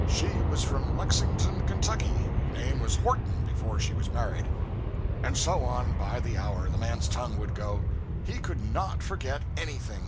She was from Lexington, Kentucky. Name was Horton before she was married.' And so on, by the hour, the man's tongue would go. He could _not _forget any thing.